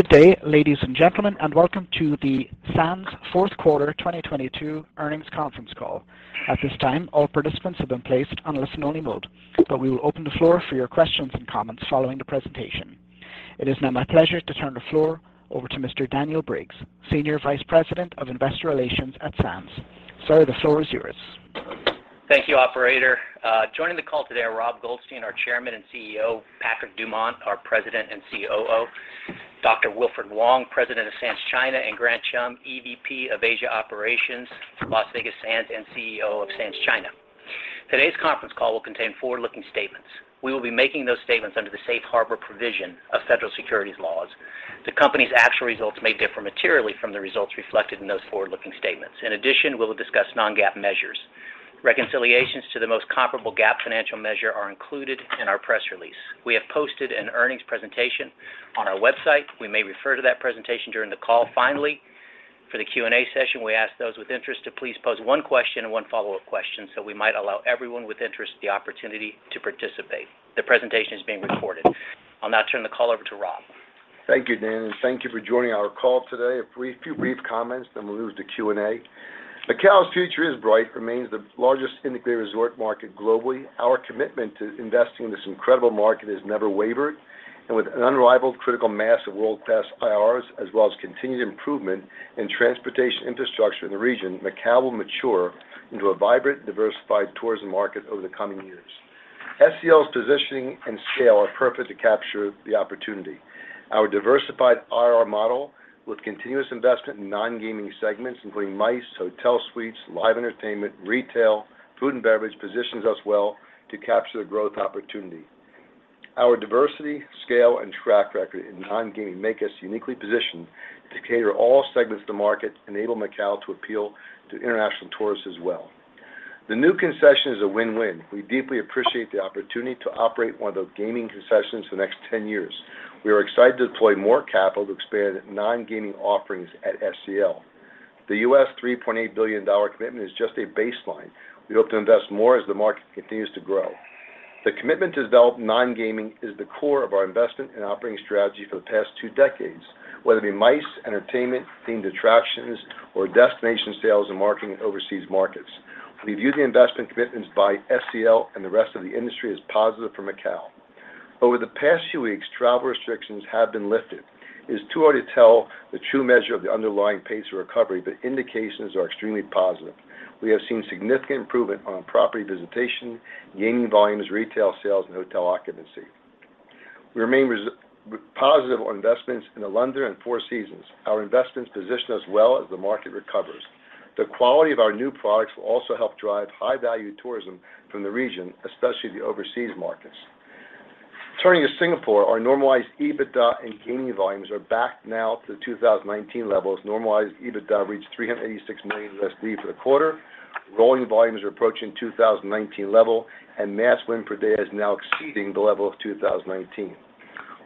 Good day, ladies and gentlemen, welcome to the Sands fourth quarter 2022 earnings conference call. At this time, all participants have been placed on listen only mode, we will open the floor for your questions and comments following the presentation. It is now my pleasure to turn the floor over to Mr. Daniel Briggs, Senior Vice President of Investor Relations at Sands. Sir, the floor is yours. Thank you, operator. Joining the call today are Robert Goldstein, our Chairman and CEO, Patrick Dumont, our President and COO, Dr. Wilfred Wong, President of Sands China, and Grant Chum, EVP of Asia Operations for Las Vegas Sands and CEO of Sands China. Today's conference call will contain forward-looking statements. We will be making those statements under the safe harbor provision of federal securities laws. The company's actual results may differ materially from the results reflected in those forward-looking statements. In addition, we will discuss non-GAAP measures. Reconciliations to the most comparable GAAP financial measure are included in our press release. We have posted an earnings presentation on our website. We may refer to that presentation during the call. Finally, for the Q&A session, we ask those with interest to please pose1 question and 1 follow-up question, so we might allow everyone with interest the opportunity to participate. The presentation is being recorded. I'll now turn the call over to Rob. Thank you, Dan, and thank you for joining our call today. Few brief comments, then we'll move to Q&A. Macau's future is bright. Remains the largest integrated resort market globally. Our commitment to investing in this incredible market has never wavered. With an unrivaled critical mass of world-class IRs, as well as continued improvement in transportation infrastructure in the region, Macau will mature into a vibrant, diversified tourism market over the coming years. SCL's positioning and scale are perfect to capture the opportunity. Our diversified IR model with continuous investment in non-gaming segments, including MICE, hotel suites, live entertainment, retail, food and beverage, positions us well to capture the growth opportunity. Our diversity, scale, and track record in non-gaming make us uniquely positioned to cater all segments of the market, enable Macau to appeal to international tourists as well. The new concession is a win-win. We deeply appreciate the opportunity to operate one of those gaming concessions for the next 10 years. We are excited to deploy more capital to expand non-gaming offerings at SCL. The $3.8 billion commitment is just a baseline. We hope to invest more as the market continues to grow. The commitment to develop non-gaming is the core of our investment and operating strategy for the past 2 decades, whether it be MICE, entertainment, themed attractions, or destination sales and marketing in overseas markets. We view the investment commitments by SCL and the rest of the industry as positive for Macao. Over the past few weeks, travel restrictions have been lifted. It is too early to tell the true measure of the underlying pace of recovery, but indications are extremely positive. We have seen significant improvement on property visitation, gaming volumes, retail sales, and hotel occupancy. We remain positive on investments in The Londoner and 4 Seasons. Our investments position us well as the market recovers. The quality of our new products will also help drive high-value tourism from the region, especially the overseas markets. Turning to Singapore, our normalized EBITDA and gaming volumes are back now to 2019 levels. Normalized EBITDA reached $386 million for the quarter. Gaming volumes are approaching 2019 level, and mass win per day is now exceeding the level of 2019.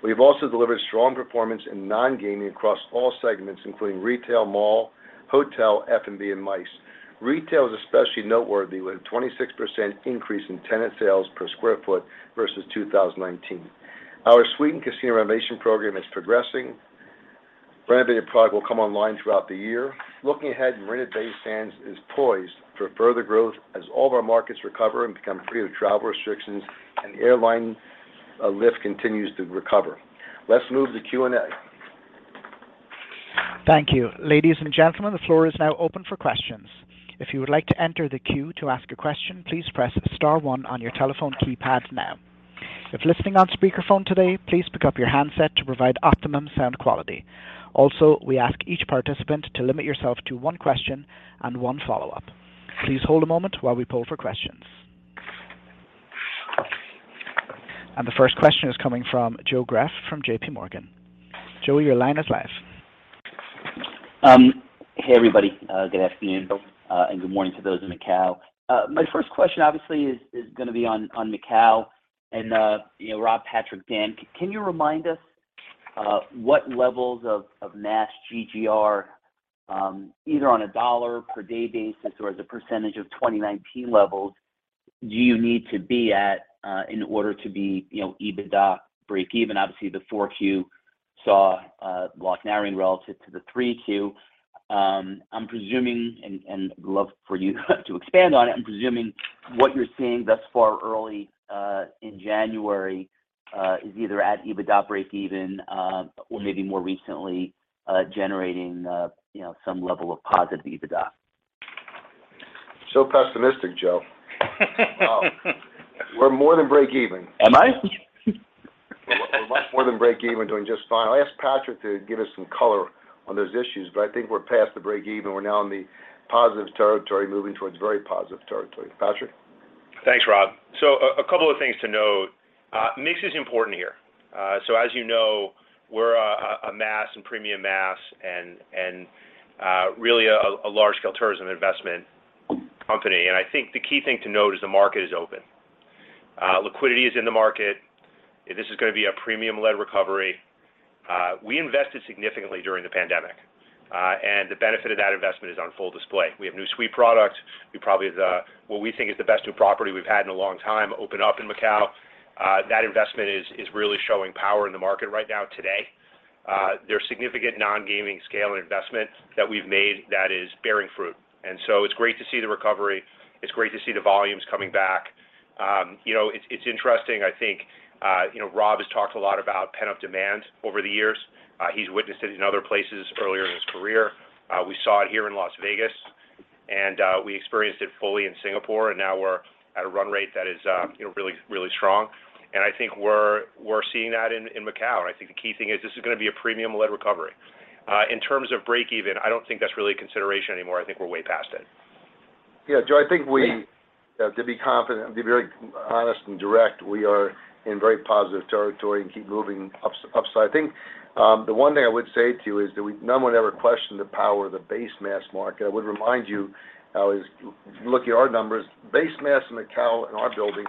We've also delivered strong performance in non-gaming across all segments, including retail, mall, hotel, F&B, and MICE. Retail is especially noteworthy, with a 26% increase in tenant sales per square foot versus 2019. Our suite and casino renovation program is progressing. Renovated product will come online throughout the year. Looking ahead, Marina Bay Sands is poised for further growth as all of our markets recover and become free of travel restrictions and airline lift continues to recover. Let's move to Q&A. Thank you. Ladies and gentlemen, the floor is now open for questions. If you would like to enter the queue to ask a question, please press star one on your telephone keypad now. If listening on speakerphone today, please pick up your handset to provide optimum sound quality. Also, we ask each participant to limit yourself to one question and one follow-up. Please hold a moment while we poll for questions. The first question is coming from Joseph Greff from JPMorgan. Joe, your line is live. Hey, everybody. Good afternoon and good morning to those in Macao. My first question obviously is gonna be on Macao and, you know, Rob, Patrick, Dan, can you remind us what levels of mass GGR, either on a $ per day basis or as a percentage of 2019 levels, do you need to be at in order to be, you know, EBITDA breakeven? Obviously, the 4Q saw GGR narrowing relative to the 3Q. I'm presuming, and love for you to expand on it, I'm presuming what you're seeing thus far early in January is either at EBITDA breakeven or maybe more recently generating, you know, some level of positive EBITDA. pessimistic, Joe. No. We're more than breakeven. Am I? We're much more than breakeven, doing just fine. I'll ask Patrick to give us some color on those issues, I think we're past the breakeven. We're now in the positive territory, moving towards very positive territory. Patrick? Thanks, Rob. A couple of things to note. Mix is important here. As you know, we're a mass and premium mass and really a large scale tourism investment company. I think the key thing to note is the market is open. Liquidity is in the market. This is gonna be a premium-led recovery. We invested significantly during the pandemic. The benefit of that investment is on full display. We have new suite products. We probably have what we think is the best new property we've had in a long time open up in Macao. That investment is really showing power in the market right now today. There's significant non-gaming scale investment that we've made that is bearing fruit. It's great to see the recovery. It's great to see the volumes coming back. you know, it's interesting, I think, you know, Rob has talked a lot about pent-up demand over the years. He's witnessed it in other places earlier in his career. We saw it here in Las Vegas, and we experienced it fully in Singapore, and now we're at a run rate that is, you know, really, really strong. I think we're seeing that in Macao. I think the key thing is this is gonna be a premium-led recovery. In terms of break even, I don't think that's really a consideration anymore. I think we're way past it. Yeah. Joe, I think we to be confident, be very honest and direct, we are in very positive territory and keep moving upward. I think the one thing I would say to you is that no one ever questioned the power of the base mass market. I would remind you is look at our numbers. Base mass in Macau in our building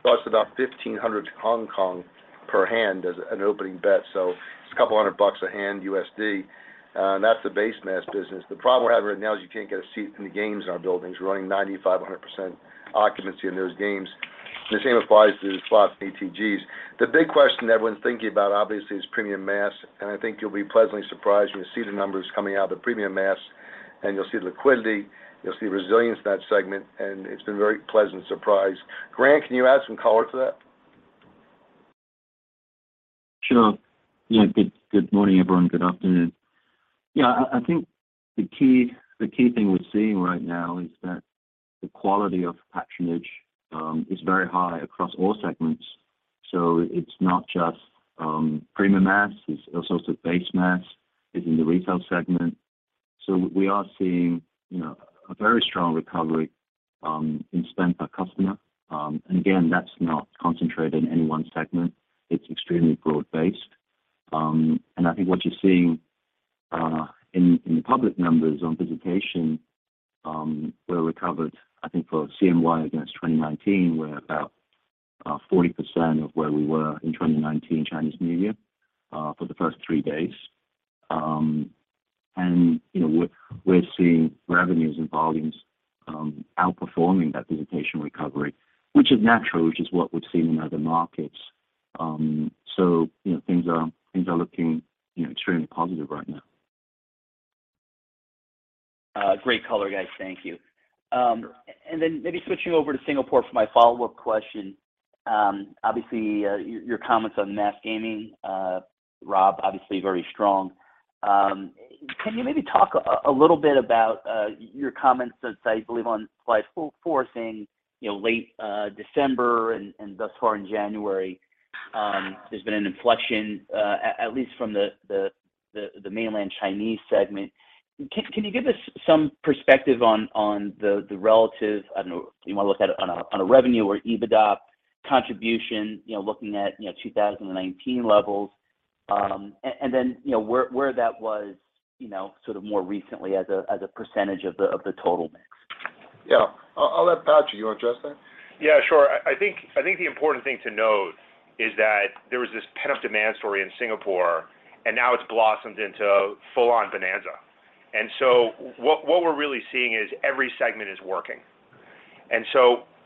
starts about 1,500 Hong Kong per hand as an opening bet. It's a couple hundred bucks a hand, USD. That's the base mass business. The problem we're having right now is you can't get a seat in the games in our buildings. We're running 95%-100% occupancy in those games. The same applies to slots and ATGs. The big question everyone's thinking about, obviously is premium mass, and I think you'll be pleasantly surprised when you see the numbers coming out of the premium mass, and you'll see liquidity, you'll see resilience in that segment, and it's been very pleasant surprise. Grant, can you add some color to that? Sure. Good morning, everyone. Good afternoon. I think the key thing we're seeing right now is that the quality of patronage is very high across all segments. It's not just premium mass, it's also base mass. It's in the retail segment. We are seeing, you know, a very strong recovery in spend per customer. Again, that's not concentrated in any one segment. It's extremely broad-based. I think what you're seeing in the public numbers on visitation, we're recovered, I think for CNY against 2019, we're about 40% of where we were in 2019 Chinese New Year for the first 3 days. You know, we're seeing revenues and volumes outperforming that visitation recovery, which is natural, which is what we've seen in other markets. You know, things are looking, you know, extremely positive right now. Great color, guys. Thank you. Then maybe switching over to Singapore for my follow-up question. Obviously, your comments on mass gaming, Rob, obviously very strong. Can you maybe talk a little bit about your comments as I believe on slide 4 saying, you know, late December and thus far in January, there's been an inflection, at least from the mainland Chinese segment. Can you give us some perspective on the relative, I don't know, you wanna look at it on a revenue or EBITDA contribution, you know, looking at, you know, 2019 levels. Then, you know, where that was, you know, sort of more recently as a % of the total mix. Yeah. I'll let Patrick. You wanna address that? Yeah, sure. I think the important thing to note is that there was this pent-up demand story in Singapore. Now it's blossomed into full-on bonanza. What we're really seeing is every segment is working.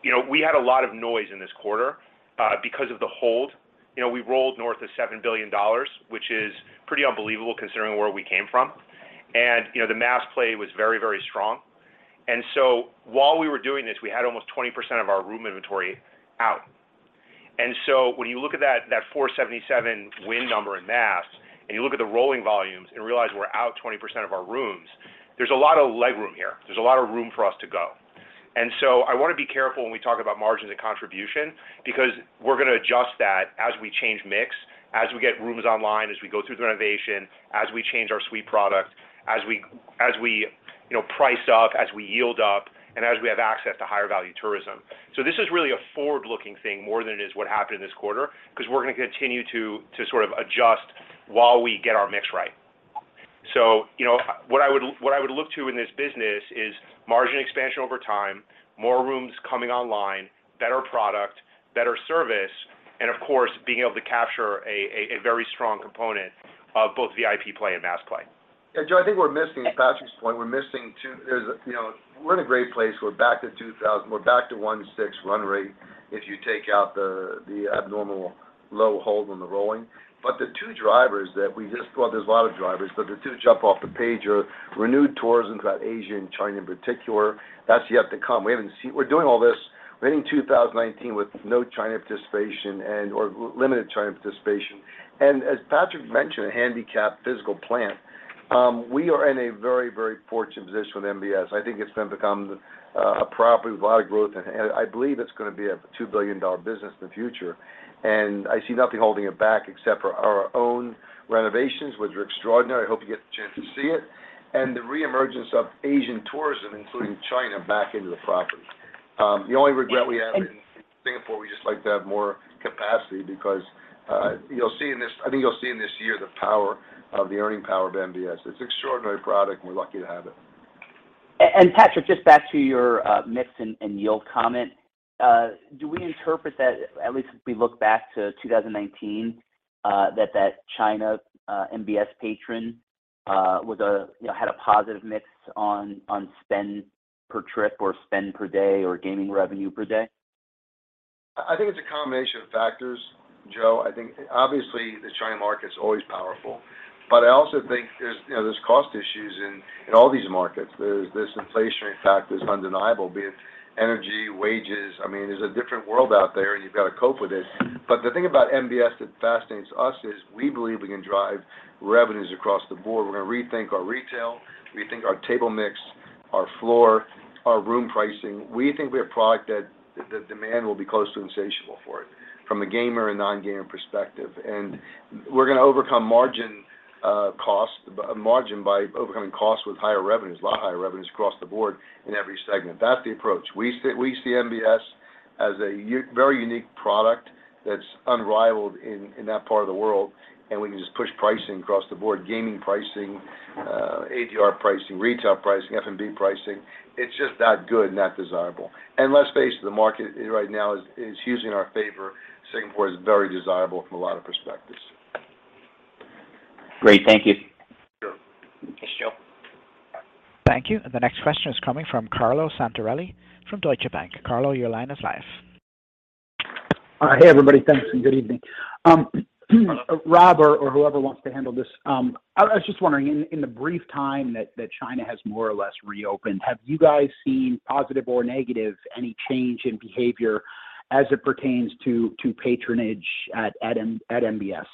You know, we had a lot of noise in this quarter because of the hold. You know, we rolled north of $7 billion, which is pretty unbelievable considering where we came from. You know, the mass play was very strong. While we were doing this, we had almost 20% of our room inventory out. When you look at that 477 win number in mass, and you look at the rolling volumes and realize we're out 20% of our rooms, there's a lot of leg room here. There's a lot of room for us to go. I wanna be careful when we talk about margins and contribution because we're gonna adjust that as we change mix, as we get rooms online, as we go through the renovation, as we change our suite product, as we, you know, price up, as we yield up, and as we have access to higher value tourism. This is really a forward-looking thing more than it is what happened in this quarter because we're gonna continue to sort of adjust while we get our mix right. You know, what I would look to in this business is margin expansion over time, more rooms coming online, better product, better service, and of course, being able to capture a very strong component of both VIP play and mass play. Joe, I think Patrick's point, we're missing 2. You know, we're in a great place. We're back to 2,000. We're back to 1.6 run rate if you take out the abnormal low hold on the rolling. The 2 drivers, there's a lot of drivers, but the 2 jump off the page are renewed tourism throughout Asia and China in particular. That's yet to come. We're doing all this. We're ending 2019 with no China participation and/or limited China participation. As Patrick mentioned, a handicapped physical plan. We are in a very, very fortunate position with MBS. I think it's gonna become a property with a lot of growth, and I believe it's gonna be a $2 billion business in the future. I see nothing holding it back except for our own renovations, which are extraordinary. I hope you get the chance to see it. The reemergence of Asian tourism, including China back into the property. The only regret we have in Singapore, we just like to have more capacity because, I think you'll see in this year the power of the earning power of MBS. It's extraordinary product and we're lucky to have it. Patrick, just back to your mix and yield comment. Do we interpret that at least if we look back to 2019, that China, MBS patron, was a, you know, had a positive mix on spend per trip or spend per day or gaming revenue per day? I think it's a combination of factors, Joe. I think obviously the China market's always powerful. I also think there's, you know, there's cost issues in all these markets. There's this inflationary factor that's undeniable, be it energy, wages. I mean, there's a different world out there, and you've got to cope with it. The thing about MBS that fascinates us is we believe we can drive revenues across the board. We're gonna rethink our retail, rethink our table mix, our floor, our room pricing. We think we have product that the demand will be close to insatiable for it from a gamer and non-gamer perspective. We're gonna overcome margin, cost, margin by overcoming costs with higher revenues, a lot higher revenues across the board in every segment. That's the approach. We see MBS as a very unique product that's unrivaled in that part of the world, and we can just push pricing across the board. Gaming pricing, ADR pricing, retail pricing, F&B pricing. It's just that good and that desirable. Let's face it, the market right now is hugely in our favor. Singapore is very desirable from a lot of perspectives. Great. Thank you. Sure. Thanks, Joe. Thank you. The next question is coming from Carlo Santarelli from Deutsche Bank. Carlo, your line is live. Hey, everybody. Thanks and good evening. Rob or whoever wants to handle this. I was just wondering in the brief time that China has more or less reopened, have you guys seen positive or negative, any change in behavior as it pertains to patronage at MBS?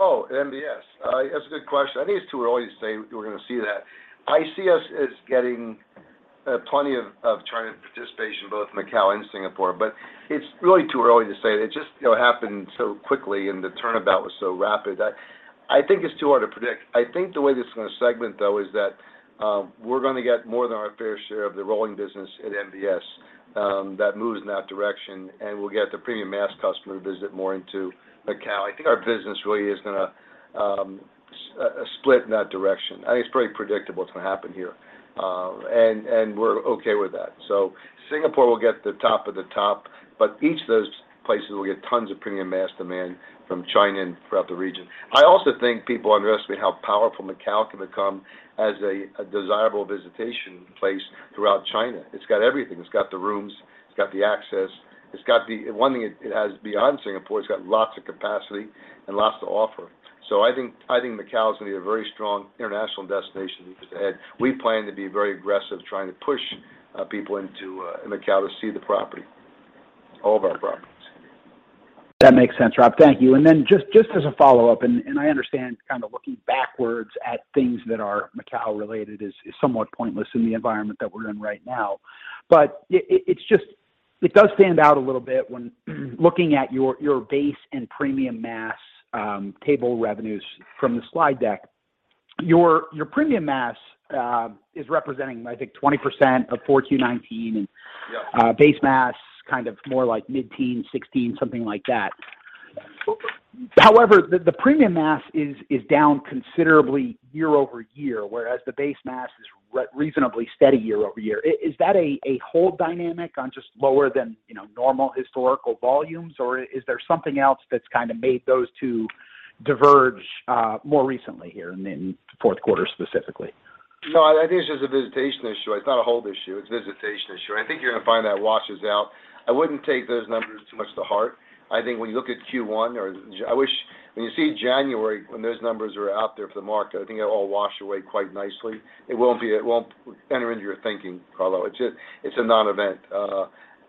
MBS. That's a good question. I think it's too early to say we're gonna see that. I see us as getting plenty of China participation, both Macau and Singapore. It's really too early to say. It just, you know, happened so quickly and the turnabout was so rapid. I think it's too hard to predict. I think the way this is going to segment, though, is that we're going to get more than our fair share of the rolling business at MBS that moves in that direction, and we'll get the premium mass customer to visit more into Macau. I think our business really is gonna split in that direction. I think it's pretty predictable it's gonna happen here. And we're okay with that. Singapore will get the top of the top, but each of those places will get tons of premium mass demand from China and throughout the region. I also think people underestimate how powerful Macau can become as a desirable visitation place throughout China. It's got everything. It's got the rooms, it's got the access, One thing it has beyond Singapore, it's got lots of capacity and lots to offer. I think Macau is going to be a very strong international destination. We plan to be very aggressive trying to push people into Macau to see the property, all of our properties. That makes sense, Rob. Thank you. Just as a follow-up, and I understand kind of looking backwards at things that are Macau related is somewhat pointless in the environment that we're in right now. It does stand out a little bit when looking at your base and premium mass table revenues from the slide deck. Your premium mass is representing, I think, 20% of 4Q19. Yeah. Base mass kind of more like mid-teen, 16, something like that. However, the premium mass is down considerably year-over-year, whereas the base mass is reasonably steady year-over-year. Is that a whole dynamic on just lower than, you know, normal historical volumes, or is there something else that's kind of made those 2 diverge more recently here in fourth quarter specifically? No, I think it's just a visitation issue. It's not a hold issue, it's a visitation issue. I think you're going to find that washes out. I wouldn't take those numbers too much to heart. I think when you look at Q1 or when you see January, when those numbers are out there for the market, I think it'll all wash away quite nicely. It won't enter into your thinking, Carlo. It's just, it's a non-event.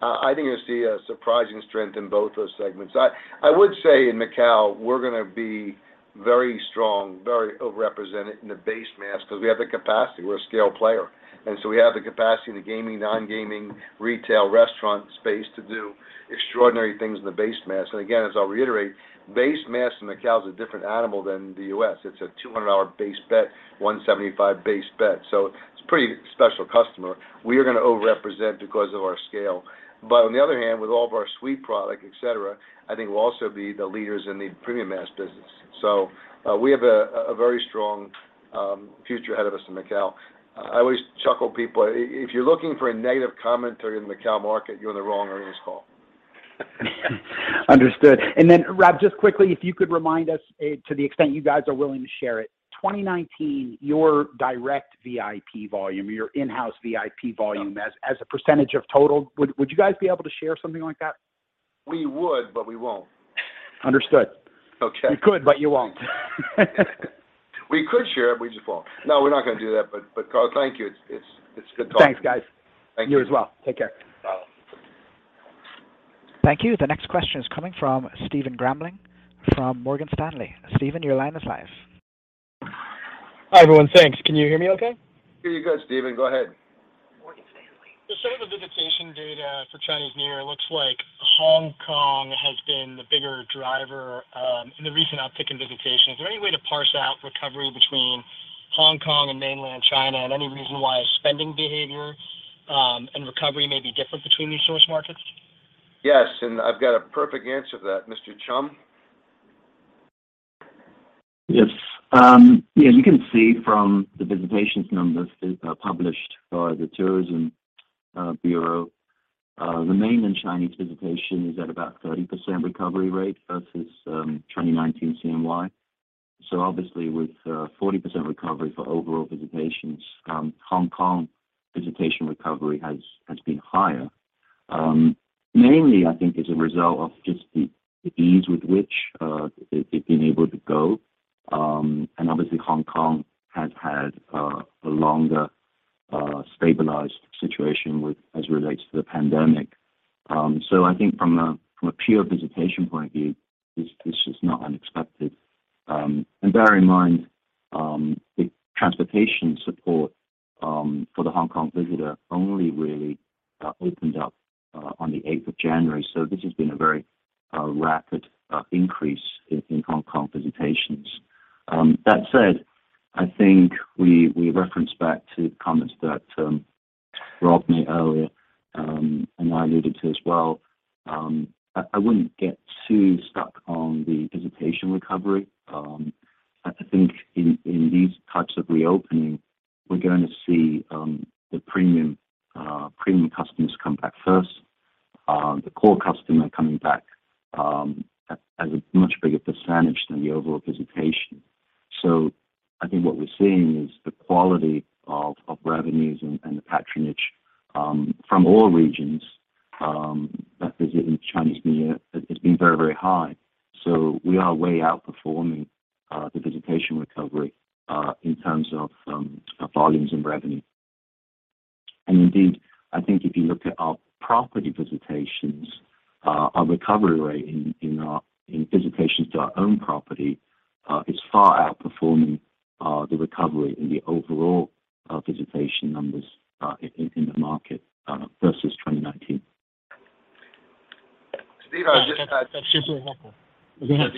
I think you'll see a surprising strength in both those segments. I would say in Macao, we're gonna be very strong, very overrepresented in the base mass because we have the capacity. We're a scale player, we have the capacity in the gaming, non-gaming, retail, restaurant space to do extraordinary things in the base mass. Again, as I'll reiterate, base mass in Macau is a different animal than the U.S. It's a $200 base bet, $175 base bet. It's a pretty special customer. We are going to overrepresent because of our scale. On the other hand, with all of our suite product, et cetera, I think we'll also be the leaders in the premium mass business. We have a very strong future ahead of us in Macau. I always chuckle people. If you're looking for a negative commentary in Macau market, you're in the wrong earnings call. Understood. Rob, just quickly, if you could remind us, to the extent you guys are willing to share it. 2019, your direct VIP volume, your in-house VIP volume as a percentage of total, would you guys be able to share something like that? We would, but we won't. Understood. Okay. You could, but you won't. We could share, we just won't. No, we're not going to do that. Carlo, thank you. It's good talking to you. Thanks, guys. Thank you. You as well. Take care. Bye. Thank you. The next question is coming from Stephen Grambling from Morgan Stanley. Steven, your line is live. Hi, everyone. Thanks. Can you hear me okay? Hear you good, Steven. Go ahead. Morgan Stanley. Just out of the visitation data for Chinese New Year, it looks like Hong Kong has been the bigger driver, in the recent uptick in visitation. Is there any way to parse out recovery between Hong Kong and mainland China and any reason why spending behavior, and recovery may be different between these source markets? Yes. I've got a perfect answer to that, Mr. Chum. Yes. You can see from the visitations numbers that are published by the tourism bureau, the Mainland Chinese visitation is at about 30% recovery rate versus 2019 CMY. Obviously with 40% recovery for overall visitations, Hong Kong visitation recovery has been higher. Mainly I think as a result of just the ease with which they've been able to go. Obviously Hong Kong has had a longer stabilized situation as it relates to the pandemic. I think from a pure visitation point of view, this is not unexpected. Bear in mind, the transportation support for the Hong Kong visitor only really opened up on the 8th of January. This has been a very rapid increase in Hong Kong visitations. That said, I think we referenced back to comments that Rob made earlier, and I alluded to as well, I wouldn't get too stuck on the visitation recovery. I think in these types of reopening we're going to see the premium customers come back first. The core customer coming back as a much bigger % than the overall visitation. I think what we're seeing is the quality of revenues and the patronage from all regions that visit in Chinese New Year has been very, very high. We are way outperforming the visitation recovery in terms of volumes and revenue. Indeed, I think if you look at our property visitations, our recovery rate in our visitations to our own property, is far outperforming, the recovery in the overall, visitation numbers, in the market, versus 2019. Steve, I That should do it, Michael. Go ahead.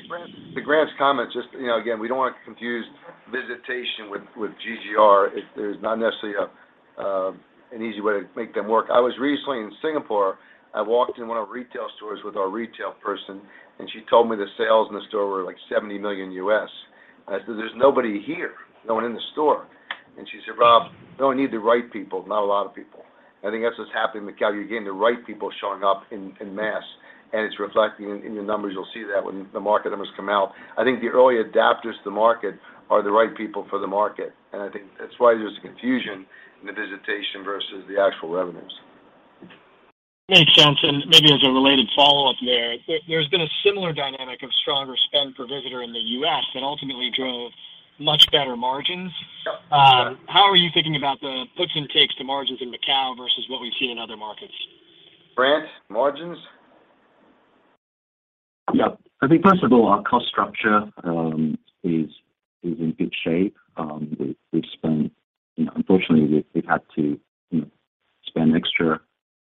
To Grant's comment, just, you know, again, we don't want to confuse visitation with GGR. There's not necessarily a an easy way to make them work. I was recently in Singapore. I walked in one of retail stores with our retail person, and she told me the sales in the store were like $70 million. I said, "There's nobody here, no one in the store." She said, "Rob, no need the right people, not a lot of people." I think that's what's happening with Macao. You're getting the right people showing up in mass, and it's reflecting in your numbers. You'll see that when the market numbers come out. I think the early adapters to the market are the right people for the market, and I think that's why there's confusion in the visitation versus the actual revenues. Makes sense. Maybe as a related follow-up there. There's been a similar dynamic of stronger spend per visitor in the U.S. that ultimately drove much better margins. Yep. How are you thinking about the puts and takes to margins in Macao versus what we've seen in other markets? Grant, margins? Yeah. I think first of all, our cost structure is in good shape. You know, unfortunately, we've had to, you know, spend extra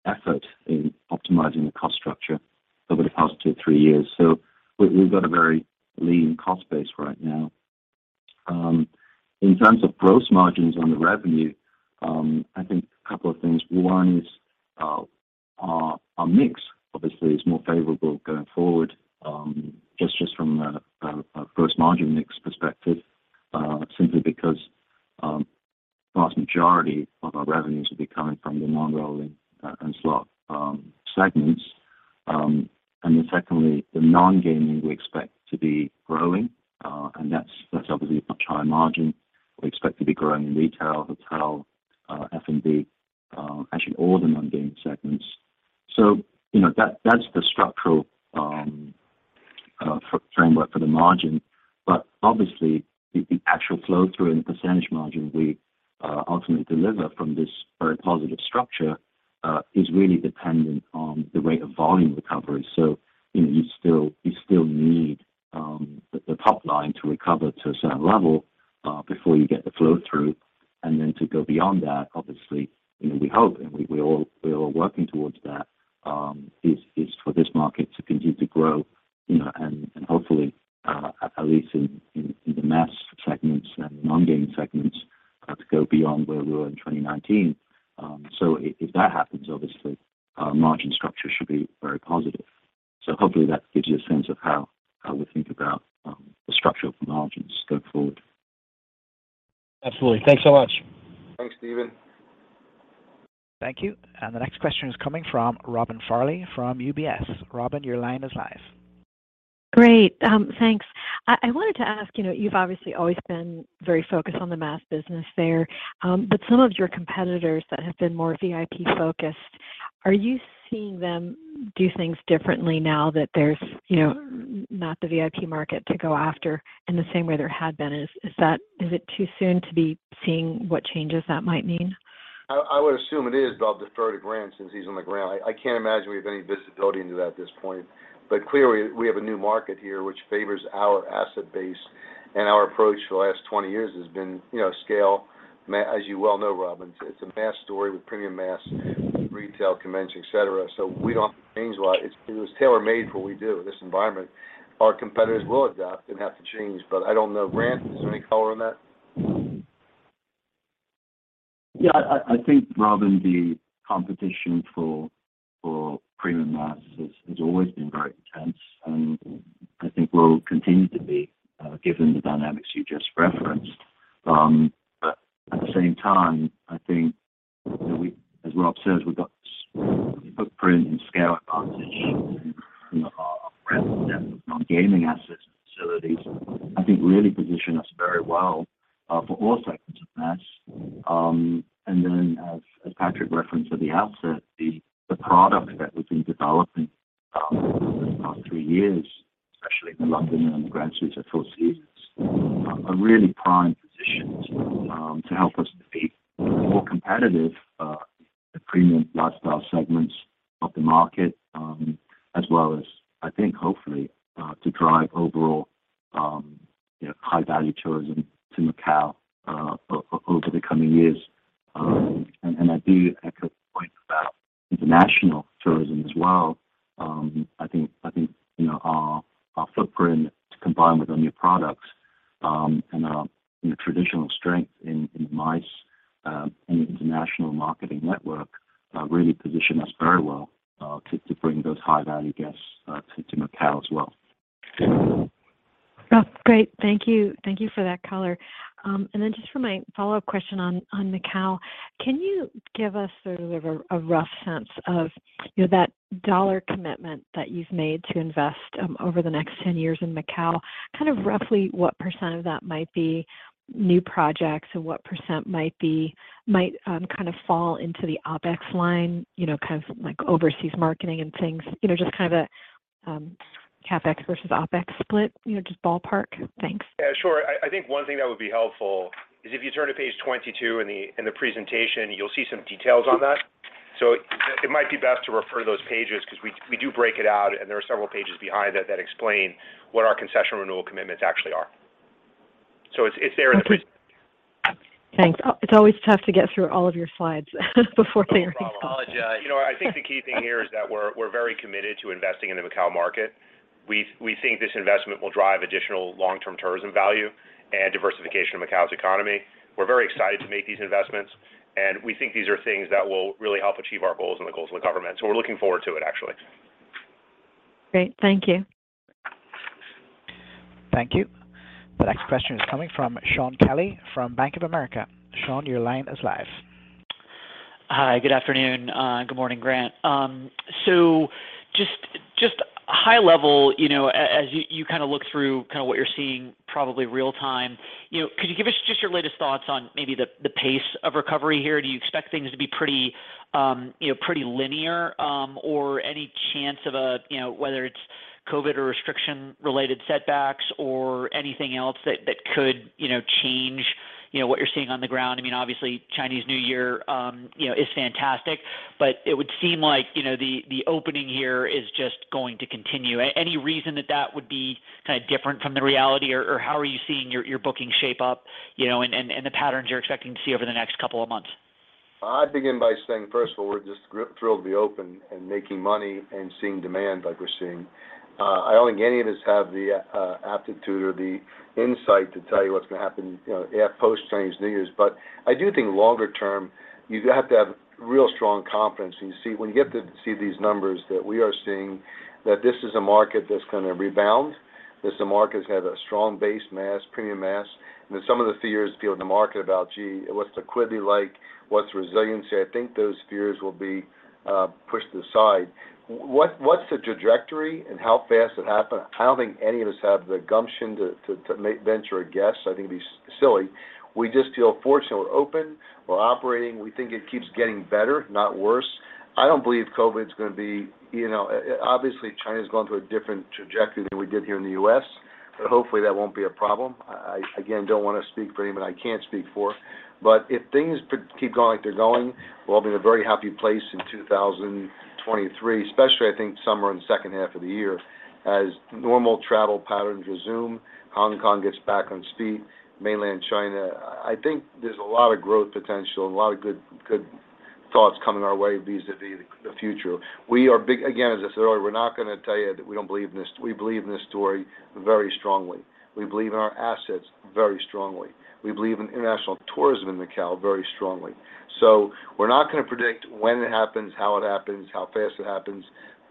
effort in optimizing the cost structure over the past 2, 3 years. We've got a very lean cost base right now. In terms of gross margins on the revenue, I think a couple of things. 1 is, our mix obviously is more favorable going forward, just from a gross margin mix perspective, simply because vast majority of our revenues will be coming from the non-rolling and slot segments. Secondly, the non-gaming we expect to be growing, and that's obviously a much higher margin. We expect to be growing in retail, hotel, F&B, actually all the non-gaming segments. You know, that's the structural framework for the margin. Obviously the actual flow through and the percentage margin we ultimately deliver from this very positive structure is really dependent on the rate of volume recovery. You know, you still, you still need the top line to recover to a certain level before you get the flow through. Then to go beyond that, obviously, you know, we hope and we all, we are all working towards that is for this market to continue to grow, you know, and hopefully, at least in, in the mass segments and non-gaming segments, to go beyond where we were in 2019. If that happens, obviously our margin structure should be very positive. Hopefully that gives you a sense of how we think about the structure of the margins going forward. Absolutely. Thanks so much. Thanks, Stephen. Thank you. The next question is coming from Robin Farley from UBS. Robyn, your line is live. Great. Thanks. I wanted to ask, you know, you've obviously always been very focused on the mass business there, some of your competitors that have been more VIP focused, are you seeing them do things differently now that there's, you know, not the VIP market to go after in the same way there had been? Is it too soon to be seeing what changes that might mean? I would assume it is, but I'll defer to Grant since he's on the ground. I can't imagine we have any visibility into that at this point. Clearly we have a new market here which favors our asset base, and our approach for the last 20 years has been, you know, scale. as you well know, Robin, it's a mass story with premium mass, retail, convention, et cetera. We don't change a lot. It was tailor-made for what we do, this environment. Our competitors will adapt and have to change, I don't know. Grant, is there any color on that? Yeah, I think, Robin, the competition for premium mass has always been very intense, I think will continue to be given the dynamics you just referenced. At the same time, I think that as Rob says, we've got footprint and scale advantage from our breadth and depth of non-gaming assets and facilities, I think really position us very well for all segments of mass. As Patrick referenced at the outset, the product that we've been developing over the past 3 years, especially in The Londoner Macao and the Grand Suites at 4 Seasons, are really prime positions to help us be more competitive in the premium lifestyle segments of the market, as well as I think hopefully, to drive overall, you know, high value tourism to Macao over the coming years. I do echo the point about international tourism as well. I think, you know, our footprint combined with our new products, and our, you know, traditional strength in MICE, and international marketing network, really position us very well to bring those high value guests to Macao as well. Rob, great. Thank you. Thank you for that color. Just for my follow-up question on Macao, can you give us sort of a rough sense of, you know, that dollar commitment that you've made to invest over the next 10 years in Macao, kind of roughly what % of that might be new projects and what % kind of fall into the OpEx line, you know, kind of like overseas marketing and things. You know, just kind of a CapEx versus OpEx split, you know, just ballpark. Thanks. Yeah, sure. I think one thing that would be helpful is if you turn to page 22 in the presentation, you'll see some details on that. It might be best to refer to those pages because we do break it out, and there are several pages behind that explain what our concession renewal commitments actually are. It's there in the presentation. Thanks. It's always tough to get through all of your slides before things get started. No problem. I'll, you know, I think the key thing here is that we're very committed to investing in the Macao market. We think this investment will drive additional long-term tourism value and diversification of Macao's economy. We're very excited to make these investments, and we think these are things that will really help achieve our goals and the goals of the government. We're looking forward to it, actually. Great. Thank you. Thank you. The next question is coming from Shaun Kelley from Bank of America. Sean, your line is live. Hi. Good afternoon. Good morning, Grant. Just high level, you know, as you kind of look through kind of what you're seeing probably real time, you know, could you give us just your latest thoughts on maybe the pace of recovery here? Do you expect things to be pretty, you know, pretty linear, or any chance of a, you know, whether it's COVID or restriction related setbacks or anything else that could, you know, change, you know, what you're seeing on the ground? I mean, obviously Chinese New Year, you know, is fantastic, but it would seem like, you know, the opening here is just going to continue. any reason that would be kind of different from the reality or how are you seeing your booking shape up, you know, and the patterns you're expecting to see over the next couple of months? I'd begin by saying, first of all, we're just thrilled to be open and making money and seeing demand like we're seeing. I don't think any of us have the aptitude or the insight to tell you what's going to happen, you know, at post-Chinese New Year. I do think longer term, you have to have real strong confidence. When you get to see these numbers that we are seeing, that this is a market that's going to rebound, that's a market that has a strong base mass, premium mass. Some of the fears feel in the market about, gee, what's the liquidity like? What's the resiliency? I think those fears will be pushed aside. What's the trajectory and how fast it happens? I don't think any of us have the gumption to venture a guess. I think it'd be silly. We just feel fortunate we're open, we're operating. We think it keeps getting better, not worse. I don't believe COVID is going to be, you know, obviously, China's gone through a different trajectory than we did here in the U.S., but hopefully that won't be a problem. I, again, don't want to speak for anyone I can't speak for. If things keep going like they're going, we'll be in a very happy place in 2023, especially I think somewhere in the second half of the year. As normal travel patterns resume, Hong Kong gets back on its feet, Mainland China, I think there's a lot of growth potential and a lot of good thoughts coming our way vis-a-vis the future. We are, again, as I said earlier, we're not going to tell you that we don't believe in this. We believe in this story very strongly. We believe in our assets very strongly. We believe in international tourism in Macao very strongly. We're not going to predict when it happens, how it happens, how fast it happens,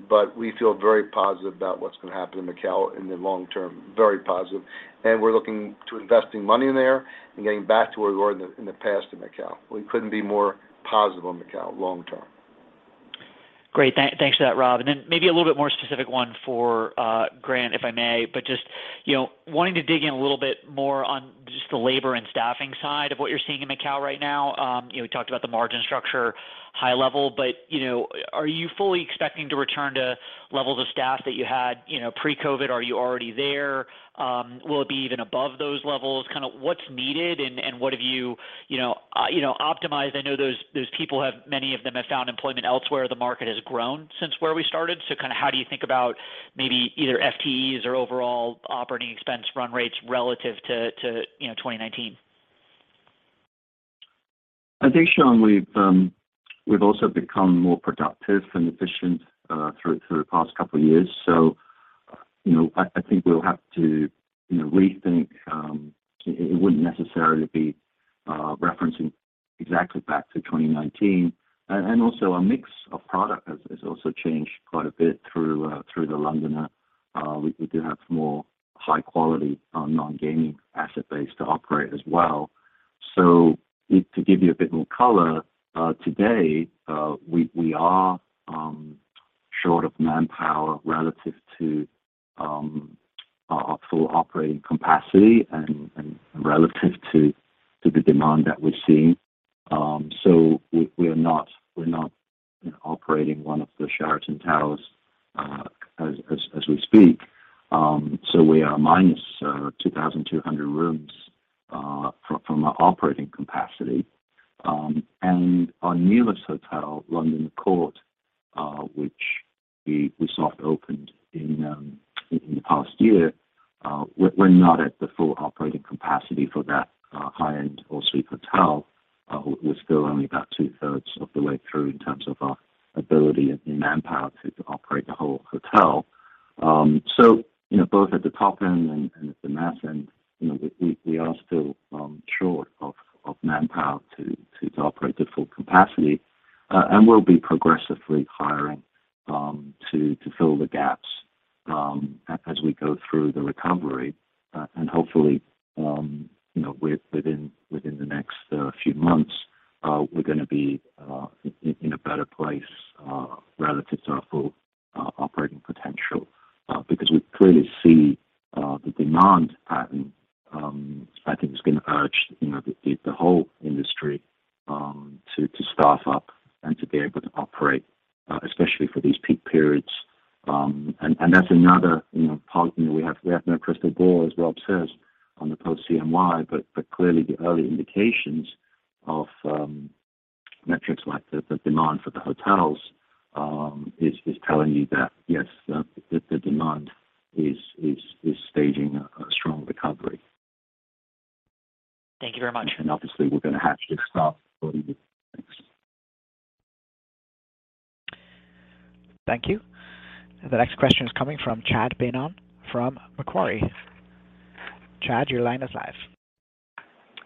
but we feel very positive about what's going to happen in Macao in the long term. Very positive. We're looking to investing money in there and getting back to where we were in the, in the past in Macao. We couldn't be more positive on Macao long term. Great. Thanks for that, Rob. Then maybe a little bit more specific one for Grant, if I may, but just, you know, wanting to dig in a little bit more on just the labor and staffing side of what you're seeing in Macao right now. You know, we talked about the margin structure high level, you know, are you fully expecting to return to levels of staff that you had, you know, pre-COVID? Are you already there? Will it be even above those levels? Kind of what's needed and, what have you know, optimized? I know those people have many of them have found employment elsewhere. The market has grown since where we started. Kind of how do you think about maybe either FTEs or overall OpEx run rates relative to, you know, 2019? I think, Shaun, we've also become more productive and efficient through the past couple of years. You know, I think we'll have to, you know, rethink, it wouldn't necessarily be referencing exactly back to 2019. Also our mix of product has also changed quite a bit through The Londoner. We do have more high-quality non-gaming asset base to operate as well. To give you a bit more color, today, we are short of manpower relative to our full operating capacity and relative to the demand that we're seeing. We're not operating one of the Sheraton Towers as we speak. We are minus 2,200 rooms from our operating capacity. Our newest hotel, Londoner Court, which we soft opened in the past year, we're not at the full operating capacity for that high-end all suite hotel. We're still only about two-thirds of the way through in terms of our ability and manpower to operate the whole hotel. You know, both at the top end and at the mass end, you know, we are still short of manpower to operate at full capacity. We'll be progressively hiring to fill the gaps as we go through the recovery. Hopefully, you know, within the next few months, we're gonna be in a better place relative to our full operating potential. Because we clearly see the demand pattern, I think is gonna urge, you know, the whole industry to staff up and to be able to operate, especially for these peak periods. That's another, you know, part, you know, we have no crystal ball, as Rob says, on the post CNY, but clearly the early indications of metrics like the demand for the hotels, is telling you that, yes, the demand is staging a strong recovery. Thank you very much. obviously we're gonna have to start. Thank you. The next question is coming from Chad Beynon from Macquarie. Chad, your line is live.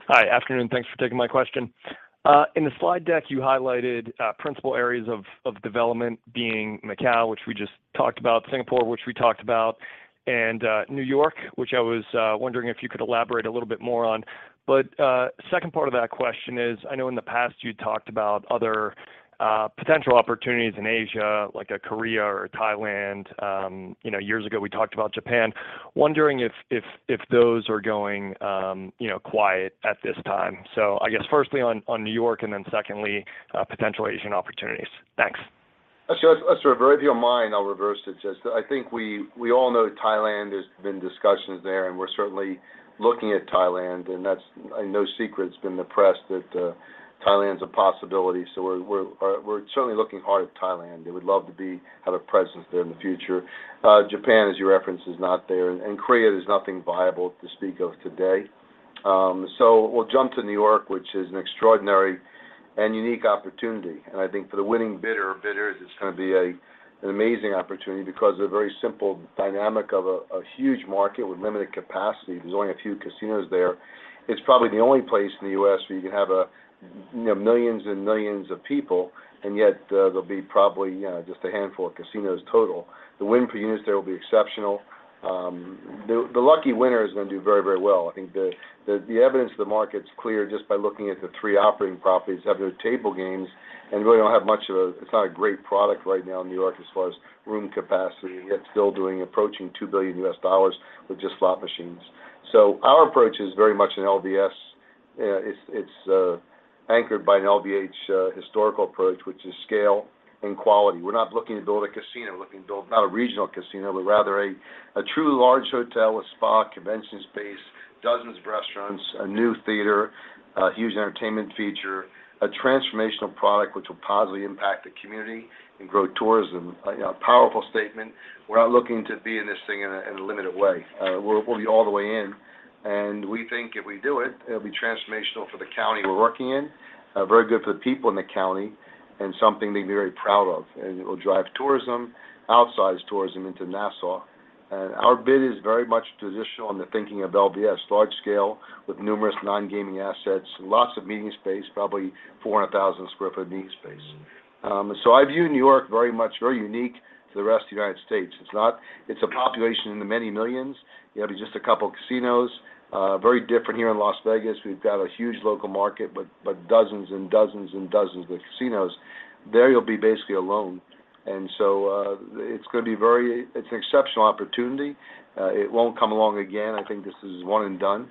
Hi. Afternoon, thanks for taking my question. In the slide deck, you highlighted principle areas of development being Macao, which we just talked about, Singapore, which we talked about, and New York, which I was wondering if you could elaborate a little bit more on. Second part of that question is, I know in the past you talked about other potential opportunities in Asia, like a Korea or Thailand, you know, years ago we talked about Japan. Wondering if those are going quiet at this time. I guess firstly on New York and then secondly potential Asian opportunities. Thanks. Actually, let's reverse. If you don't mind, I'll reverse it. Just I think we all know Thailand, there's been discussions there, and we're certainly looking at Thailand, and that's no secret. It's been in the press that Thailand's a possibility. We're certainly looking hard at Thailand, and we'd love to have a presence there in the future. Japan, as you reference, is not there, and Korea, there's nothing viable to speak of today. We'll jump to New York, which is an extraordinary and unique opportunity. I think for the winning bidder or bidders, it's gonna be an amazing opportunity because of the very simple dynamic of a huge market with limited capacity. There's only a few casinos there. It's probably the only place in the US where you can have millions and millions of people, there'll be probably just a handful of casinos total. The win per units there will be exceptional. The lucky winner is gonna do very, very well. I think the evidence of the market's clear just by looking at the 3 operating properties, have their table games, and really don't have much of a. It's not a great product right now in New York as far as room capacity, yet still approaching $2 billion with just slot machines. Our approach is very much an LVS. It's anchored by an LVH historical approach, which is scale and quality. We're not looking to build a casino. We're looking to build not a regional casino, but rather a truly large hotel with spa, convention space, dozens of restaurants, a new theater, a huge entertainment feature, a transformational product which will positively impact the community and grow tourism. A powerful statement. We're not looking to be in this thing in a limited way. We're, we'll be all the way in. We think if we do it'll be transformational for the county we're working in, very good for the people in the county, and something they can be very proud of. It will drive tourism, outsized tourism into Nassau. Our bid is very much traditional in the thinking of LVS, large scale with numerous non-gaming assets, lots of meeting space, probably 400,000 sq ft of meeting space. I view New York very much, very unique to the rest of the United States. It's a population in the many millions. You have just a couple casinos. Very different here in Las Vegas. We've got a huge local market, but dozens and dozens and dozens of casinos. There you'll be basically alone. It's an exceptional opportunity. It won't come along again. I think this is 1 and done.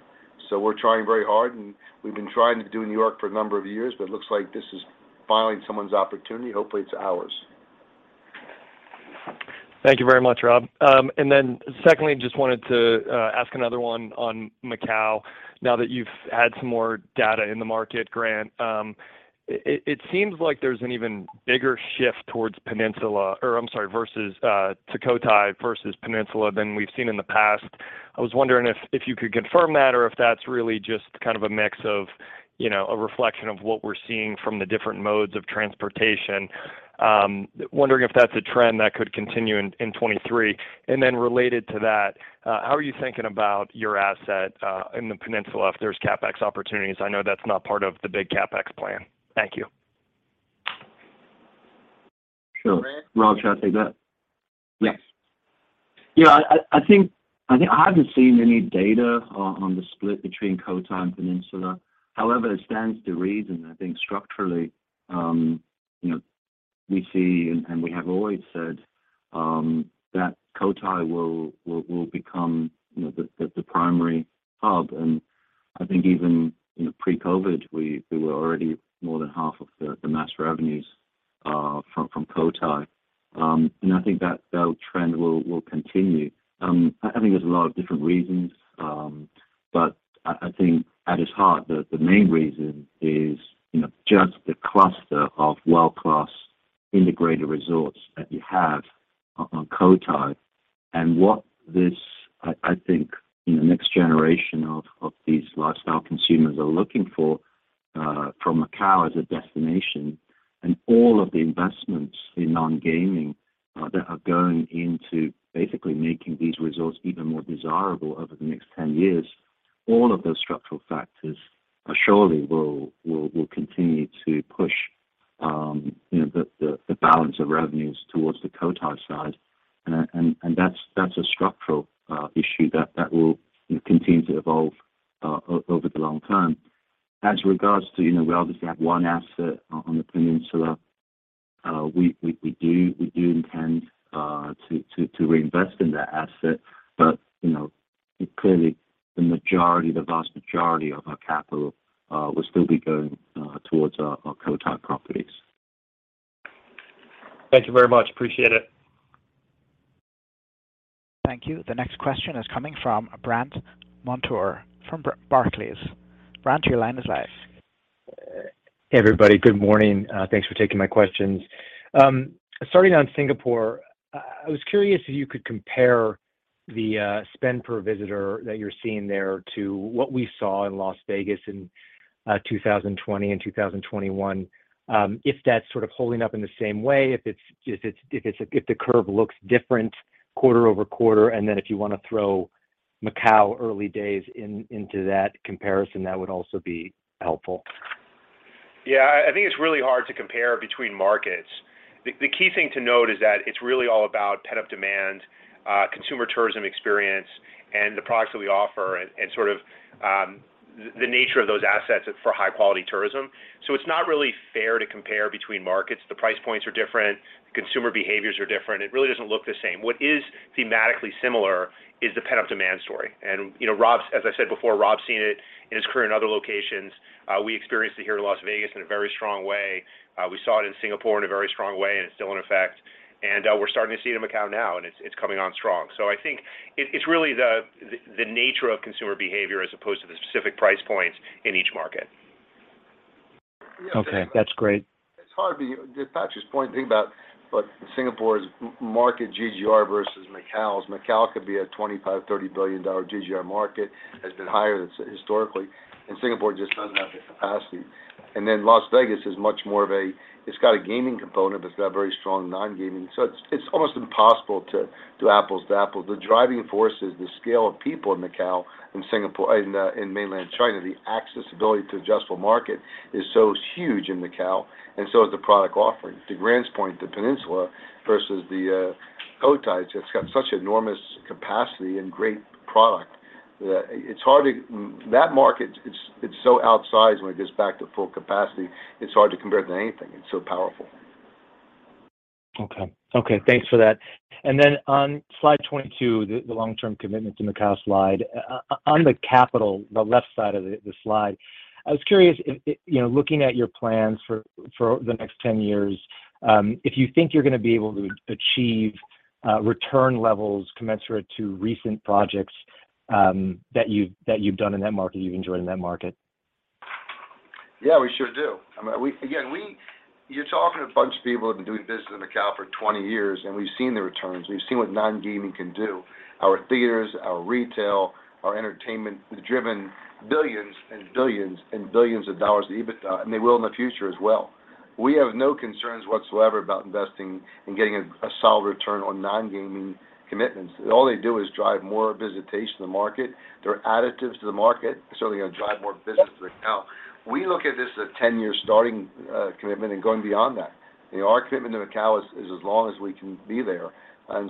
We're trying very hard, and we've been trying to do New York for a number of years, but it looks like this is finally someone's opportunity. Hopefully, it's ours. Thank you very much, Rob. Secondly, just wanted to ask another one on Macao. Now that you've had some more data in the market, Grant, it seems like there's an even bigger shift towards Peninsula or, I'm sorry, versus to Cotai versus Peninsula than we've seen in the past. I was wondering if you could confirm that or if that's really just kind of a mix of, you know, a reflection of what we're seeing from the different modes of transportation. Wondering if that's a trend that could continue in 2023. Related to that, how are you thinking about your asset in the Peninsula if there's CapEx opportunities? I know that's not part of the big CapEx plan. Thank you. Sure. Rob, should I take that? Yes. Yeah, I think I haven't seen any data on the split between Cotai and Peninsula. However, it stands to reason, I think structurally, you know, we see and we have always said, that Cotai will become, you know, the primary hub. I think even, you know, pre-COVID, we were already more than half of the master revenues, from Cotai. I think that trend will continue. I think there's a lot of different reasons, but I think at its heart, the main reason is, you know, just the cluster of world-class integrated resorts that you have on Cotai. What this, I think in the next generation of these lifestyle consumers are looking for from Macau as a destination and all of the investments in non-gaming that are going into basically making these resorts even more desirable over the next 10 years, all of those structural factors surely will continue to push, you know, the balance of revenues towards the Cotai side. That's a structural issue that will continue to evolve over the long term. As regards to, you know, we obviously have one asset on the peninsula, we do intend to reinvest in that asset. You know, clearly the majority, the vast majority of our capital will still be going towards our Cotai properties. Thank you very much. Appreciate it. Thank you. The next question is coming from Brandt Montour from Barclays. Brandt, your line is live. Hey, everybody. Good morning. Thanks for taking my questions. Starting on Singapore, I was curious if you could compare the spend per visitor that you're seeing there to what we saw in Las Vegas in 2020 and 2021, if that's sort of holding up in the same way, if the curve looks different quarter-over-quarter, and then if you wanna throw Macau early days into that comparison, that would also be helpful. Yeah, I think it's really hard to compare between markets. The key thing to note is that it's really all about pent-up demand, consumer tourism experience, and the products that we offer and sort of, the nature of those assets for high quality tourism. It's not really fair to compare between markets. The price points are different, consumer behaviors are different. It really doesn't look the same. What is thematically similar is the pent-up demand story. You know, Rob, as I said before, Rob's seen it in his career in other locations. We experienced it here in Las Vegas in a very strong way. We saw it in Singapore in a very strong way, and it's still in effect. We're starting to see it in Macau now, and it's coming on strong. I think it's really the nature of consumer behavior as opposed to the specific price points in each market. Okay, that's great. It's hard to Patrick's point, think about what Singapore's market GGR versus Macau's. Macau could be a $25 billion-$30 billion GGR market, has been higher than historically. Singapore just doesn't have the capacity. Las Vegas is much more of a, it's got a gaming component, but it's got a very strong non-gaming. It's, it's almost impossible to do apples to apples. The driving force is the scale of people in Macau and in Mainland China. The accessibility to adjustable market is so huge in Macau and so is the product offering. To Grant's point, the Peninsula versus the Cotai, it's got such enormous capacity and great product that That market, it's so outsized when it gets back to full capacity, it's hard to compare it to anything. It's so powerful. Okay. Okay, thanks for that. On slide 22, the long-term commitment to Macau slide, on the capital, the left side of the slide, I was curious, you know, looking at your plans for the next 10 years, if you think you're gonna be able to achieve return levels commensurate to recent projects that you've done in that market, you've enjoyed in that market. Yeah, we sure do. I mean, you're talking to a bunch of people who've been doing business in Macao for 20 years, and we've seen the returns. We've seen what non-gaming can do. Our theaters, our retail, our entertainment has driven billions and billions and billions of dollars of EBITDA, and they will in the future as well. We have no concerns whatsoever about investing and getting a solid return on non-gaming commitments. All they do is drive more visitation to the market. They're additives to the market, certainly gonna drive more business right now. We look at this as a 10-year starting commitment and going beyond that. Our commitment to Macao is as long as we can be there.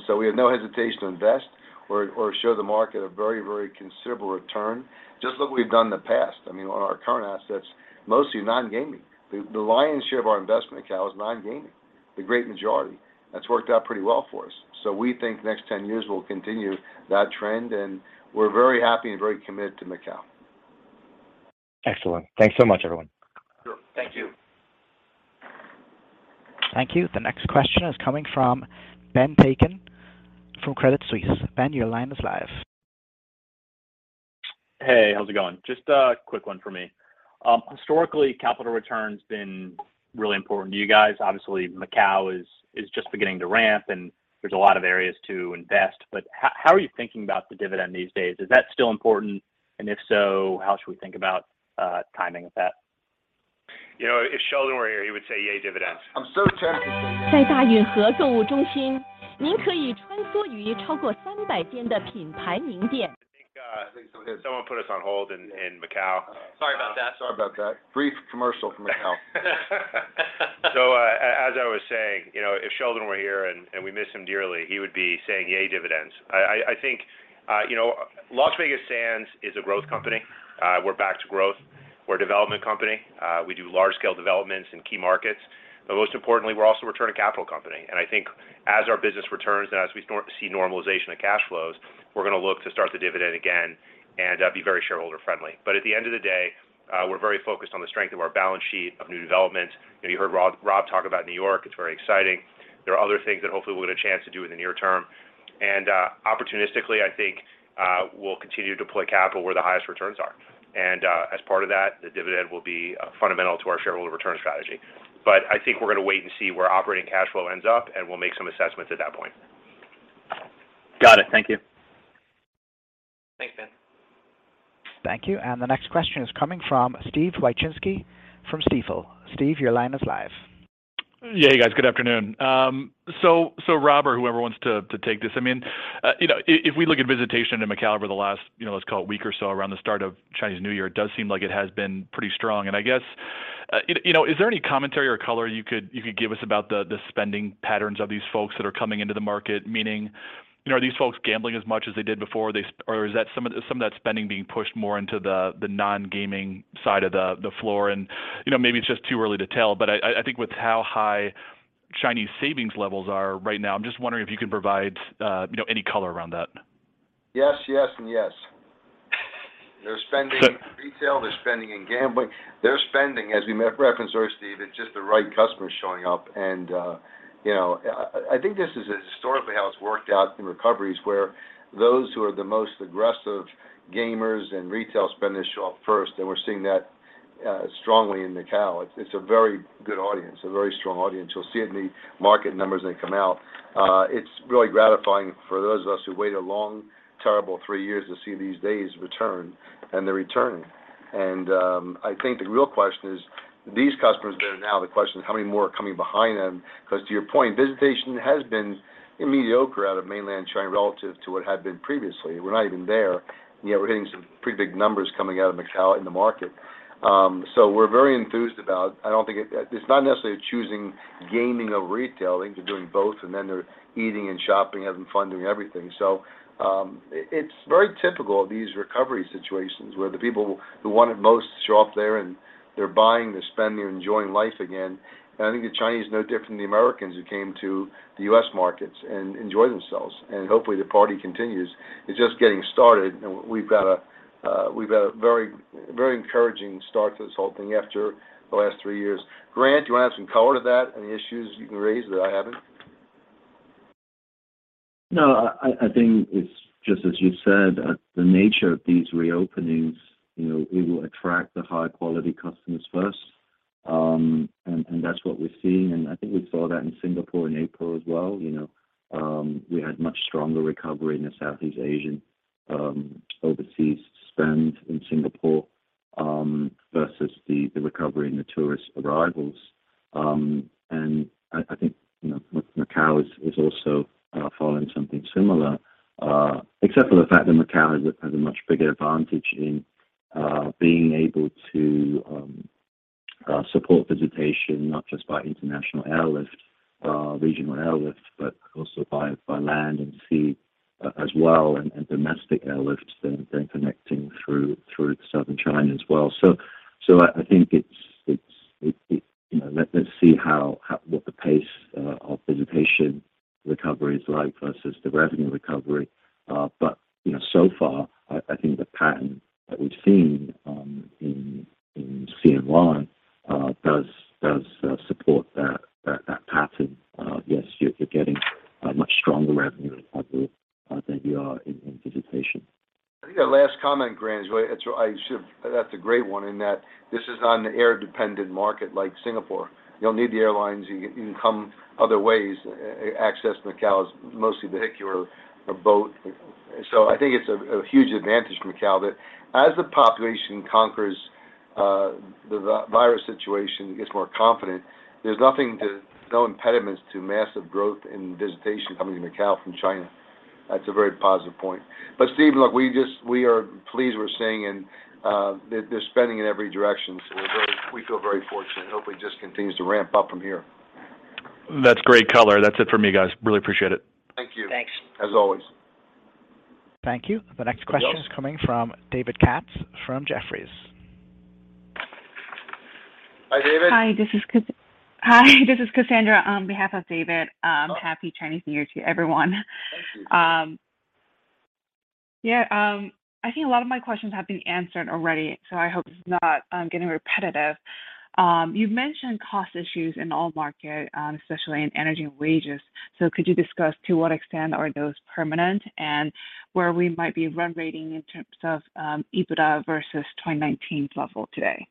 So we have no hesitation to invest or show the market a very, very considerable return. Just look what we've done in the past. I mean, on our current assets, mostly non-gaming. The lion's share of our investment in Macau is non-gaming, the great majority. That's worked out pretty well for us. We think the next 10 years will continue that trend, we're very happy and very committed to Macau. Excellent. Thanks so much, everyone. Sure. Thank you. Thank you. The next question is coming from Ben Chaiken from Credit Suisse. Ben, your line is live. Hey, how's it going? Just a quick one for me. Historically, capital return's been really important to you guys. Obviously, Macao is just beginning to ramp, and there's a lot of areas to invest. How are you thinking about the dividend these days? Is that still important? If so, how should we think about timing of that? You know, if Sheldon were here, he would say, "Yay, dividends. I'm so tempted to say yay. Someone put us on hold in Macau. Sorry about that. Sorry about that. Brief commercial from Macau. As I was saying, you know, if Sheldon were here, and we miss him dearly, he would be saying, "Yay, dividends." I think, you know, Las Vegas Sands is a growth company. We're back to growth. We're a development company. We do large scale developments in key markets, most importantly, we're also a return to capital company. I think as our business returns and as we see normalization of cash flows, we're gonna look to start the dividend again and be very shareholder friendly. At the end of the day, we're very focused on the strength of our balance sheet of new development. You know, you heard Rob talk about New York, it's very exciting. There are other things that hopefully we'll get a chance to do in the near term. Opportunistically, I think, we'll continue to deploy capital where the highest returns are. As part of that, the dividend will be fundamental to our shareholder return strategy. I think we're gonna wait and see where operating cash flow ends up, and we'll make some assessments at that point. Got it. Thank you. Thanks, Ben. Thank you. The next question is coming from Steven Wieczynski from Stifel. Steve, your line is live. Yeah, you guys, good afternoon. So Rob or whoever wants to take this. I mean, you know, if we look at visitation in Macao over the last, you know, let's call it week or so around the start of Chinese New Year, it does seem like it has been pretty strong. I guess, you know, is there any commentary or color you could give us about the spending patterns of these folks that are coming into the market? Meaning, you know, are these folks gambling as much as they did before? Or is that some of that spending being pushed more into the non-gaming side of the floor? you know, maybe it's just too early to tell, but I think with how high Chinese savings levels are right now, I'm just wondering if you can provide, you know, any color around that. Yes, yes and yes. They're spending in retail, they're spending in gambling. They're spending, as we made a reference earlier, Steve, it's just the right customers showing up. You know, I think this is historically how it's worked out in recoveries where those who are the most aggressive gamers and retail spenders show up first, and we're seeing that strongly in Macao. It's a very good audience, a very strong audience. You'll see it in the market numbers when they come out. It's really gratifying for those of us who wait a long, terrible 3 years to see these days return, and they're returning. I think the real question is, these customers are there now. The question is how many more are coming behind them? To your point, visitation has been mediocre out of mainland China relative to what had been previously. We're not even there, yet we're hitting some pretty big numbers coming out of Macao in the market. We're very enthused about... I don't think it's not necessarily choosing gaming or retailing. They're doing both, and then they're eating and shopping, having fun, doing everything. It's very typical of these recovery situations where the people who want it most show up there and they're buying, they're spending, they're enjoying life again. I think the Chinese are no different than the Americans who came to the U.S. markets and enjoy themselves. Hopefully, the party continues. It's just getting started. We've got a very, very encouraging start to this whole thing after the last 3 years. Grant, do you want to add some color to that? Any issues you can raise that I haven't? No. I think it's just as you said, the nature of these reopenings, you know, it will attract the high quality customers first. And that's what we're seeing. And I think we saw that in Singapore in April as well. You know, we had much stronger recovery in the Southeast Asian overseas spend in Singapore versus the recovery in the tourist arrivals. And I think, you know, Macao is also following something similar, except for the fact that Macao has a much bigger advantage in being able to support visitation, not just by international airlift, regional airlift, but also by land and sea as well, and domestic airlifts then connecting through Southern China as well. I think it's, you know, let's see how what the pace of visitation recovery is like versus the revenue recovery. You know, so far, I think the pattern that we've seen in CNY does support that pattern of, yes, you're getting a much stronger revenue recovery than you are in visitation. I think that last comment, Grant. That's a great one in that this is not an air-dependent market like Singapore. You don't need the airlines. You can come other ways. Access Macao is mostly vehicular or boat. I think it's a huge advantage to Macao that as the population conquers the virus situation, gets more confident, no impediments to massive growth in visitation coming to Macao from China. That's a very positive point. Steven, look, we are pleased we're seeing they're spending in every direction. We feel very fortunate. Hopefully, it just continues to ramp up from here. That's great color. That's it for me, guys. Really appreciate it. Thank you. Thanks. As always. Thank you. Yes. The next question is coming from David Katz from Jefferies. Hi, David. Hi, this is Cassandra on behalf of David. Happy Chinese New Year to everyone. Thank you. Yeah, I think a lot of my questions have been answered already, so I hope it's not getting repetitive. You've mentioned cost issues in all market, especially in energy and wages. Could you discuss to what extent are those permanent and where we might be run rating in terms of EBITDA versus 2019's level today?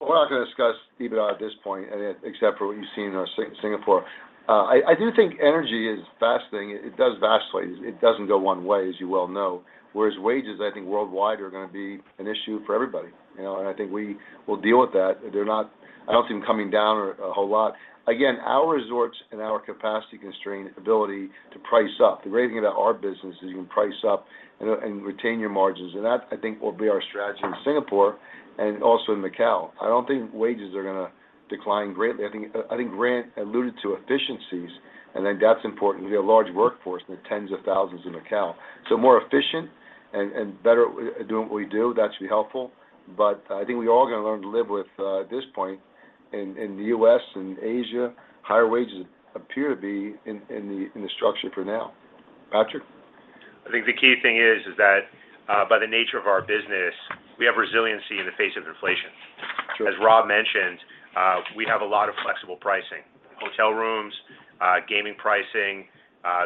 We're not going to discuss EBITDA at this point, except for what you've seen in our Singapore. I do think energy is vasting. It does vacillate. It doesn't go one way, as you well know. Wages, I think worldwide are gonna be an issue for everybody. You know, I think we will deal with that. I don't see them coming down or a whole lot. Again, our resorts and our capacity constraint ability to price up. The great thing about our business is you can price up and retain your margins. That, I think, will be our strategy in Singapore. And also in Macau. I don't think wages are gonna decline greatly. I think Grant alluded to efficiencies, I think that's important. We have a large workforce in the tens of thousands in Macau. More efficient and better at doing what we do, that should be helpful. I think we all are gonna learn to live with, at this point in the US and Asia, higher wages appear to be in the structure for now. Patrick? I think the key thing is that, by the nature of our business, we have resiliency in the face of inflation. Sure. As Rob mentioned, we have a lot of flexible pricing. Hotel rooms, gaming pricing,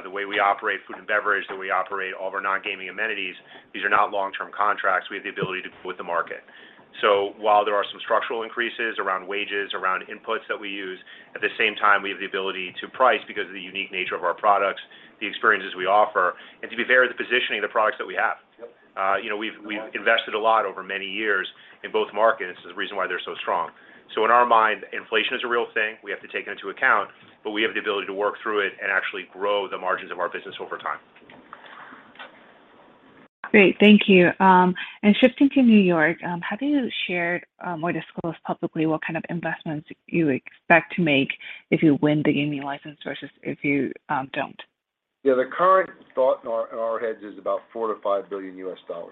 the way we operate food and beverage, the way we operate all of our non-gaming amenities, these are not long-term contracts. We have the ability to go with the market. While there are some structural increases around wages, around inputs that we use, at the same time, we have the ability to price because of the unique nature of our products, the experiences we offer, and to be fair to the positioning of the products that we have. Yep. You know, we've invested a lot over many years in both markets. There's a reason why they're so strong. In our mind, inflation is a real thing, we have to take it into account, but we have the ability to work through it and actually grow the margins of our business over time. Great. Thank you. Shifting to New York, have you shared or disclosed publicly what kind of investments you expect to make if you win the gaming license versus if you don't? Yeah. The current thought in our, in our heads is about $4 billion-$5 billion.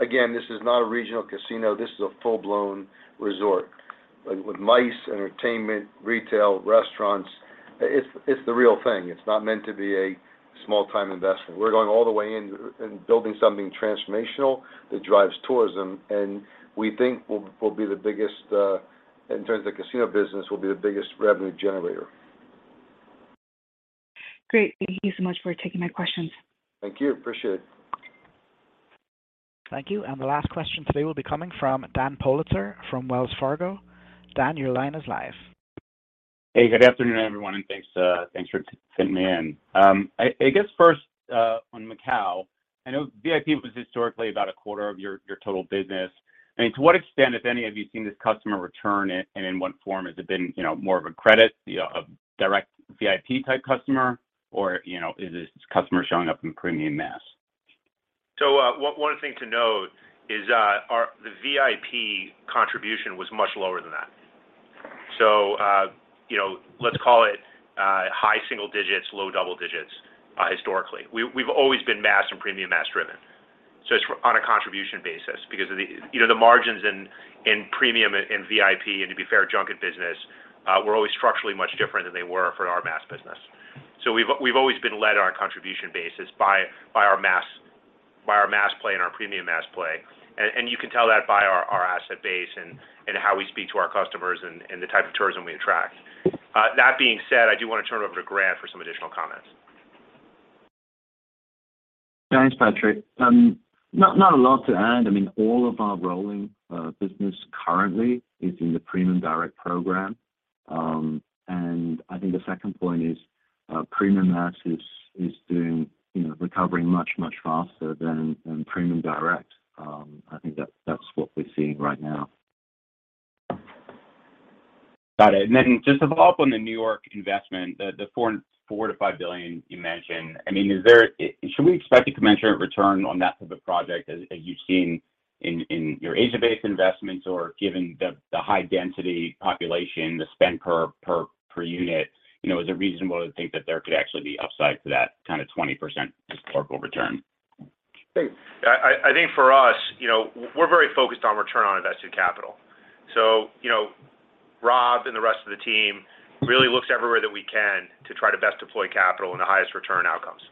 Again, this is not a regional casino, this is a full-blown resort, like, with MICE, entertainment, retail, restaurants. It's the real thing. It's not meant to be a small-time investment. We're going all the way in and building something transformational that drives tourism, and we think will be the biggest, in terms of the casino business, will be the biggest revenue generator. Great. Thank you so much for taking my questions. Thank you. Appreciate it. Thank you. The last question today will be coming from Dan Politzer from Wells Fargo. Dan, your line is live. Hey, good afternoon, everyone, and thanks for fitting me in. I guess first on Macao, I know VIP was historically about a quarter of your total business. I mean, to what extent, if any, have you seen this customer return and in what form has it been, more of a credit, a direct VIP-type customer or is it customers showing up in premium mass? One thing to note is the VIP contribution was much lower than that. You know, let's call it high single digits, low double digits historically. We've always been mass and premium mass driven. It's on a contribution basis because of the, you know, the margins in premium and VIP, and to be fair, junket business, were always structurally much different than they were for our mass business. We've always been led on a contribution basis by our mass, by our mass play and our premium mass play. You can tell that by our asset base and how we speak to our customers and the type of tourism we attract. That being said, I do wanna turn it over to Grant for some additional comments. Thanks, Patrick. not a lot to add. I mean, all of our rolling business currently is in the premium direct program. I think the second point is premium mass is doing, you know, recovering much faster than premium direct. I think that's what we're seeing right now. Got it. Just to follow up on the New York investment, the $4 billion-$5 billion you mentioned, I mean, should we expect a commensurate return on that type of project as you've seen in your Asia-based investments or given the high density population, the spend per unit? You know, is it reasonable to think that there could actually be upside to that kind of 20% historical return? I think for us, you know, we're very focused on return on invested capital. You know, Rob and the rest of the team really looks everywhere that we can to try to best deploy capital in the highest return outcomes.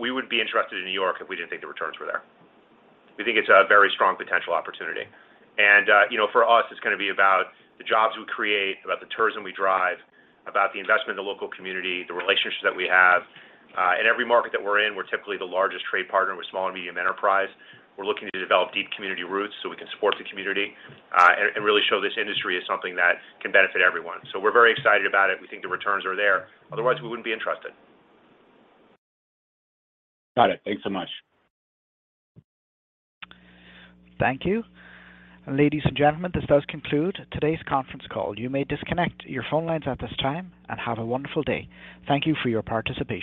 We would be interested in New York if we didn't think the returns were there. We think it's a very strong potential opportunity. You know, for us, it's gonna be about the jobs we create, about the tourism we drive, about the investment in the local community, the relationships that we have. In every market that we're in, we're typically the largest trade partner with small and medium enterprise. We're looking to develop deep community roots so we can support the community and really show this industry is something that can benefit everyone. We're very excited about it. We think the returns are there. Otherwise, we wouldn't be interested. Got it. Thanks so much. Thank you. Ladies and gentlemen, this does conclude today's conference call. You may disconnect your phone lines at this time, and have a wonderful day. Thank you for your participation.